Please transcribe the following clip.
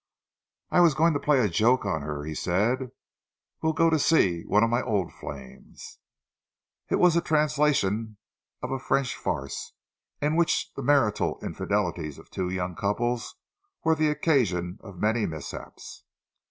"I was going to play a joke on her," he said. "We'll go to see one of my old flames." It was a translation of a French farce, in which the marital infidelities of two young couples were the occasion of many mishaps.